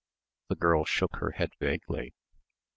The girl shook her head vaguely.